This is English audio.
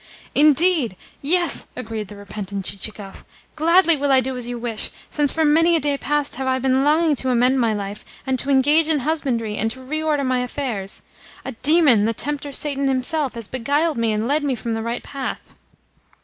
"Indeed, yes!" agreed the repentant Chichikov. "Gladly will I do as you wish, since for many a day past have I been longing to amend my life, and to engage in husbandry, and to reorder my affairs. A demon, the tempter Satan himself, has beguiled me and led me from the right path."